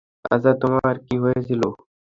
আচ্ছা, তোমার কী হয়েছিল?